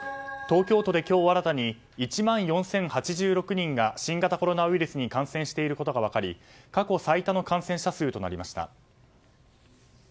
東京都で今日新たに１万４０８６人が新型コロナウイルスに感染していることが分かり過去最多の感染者数となりました。